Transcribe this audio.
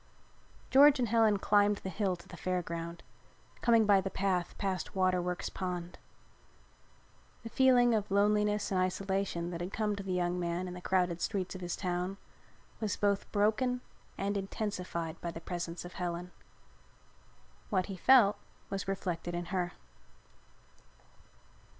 George and Helen climbed the hill to the Fair Ground, coming by the path past Waterworks Pond. The feeling of loneliness and isolation that had come to the young man in the crowded streets of his town was both broken and intensified by the presence of Helen. What he felt was reflected in her.